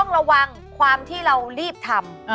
รีบทำ